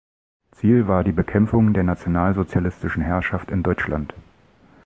Ziel war die Bekämpfung der nationalsozialistischen Herrschaft in Deutschland.